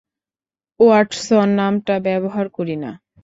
Watson নামটা ব্যবহার করি না।